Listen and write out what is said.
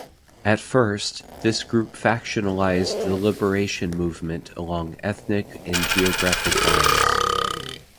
At first, this group factionalized the liberation movement along ethnic and geographic lines.